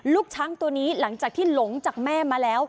ลูกช้างตัวนี้หลังจากที่หลงจากแม่มาแล้ว